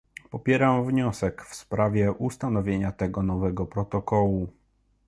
Popieram wniosek w sprawie ustanowienia tego nowego protokołu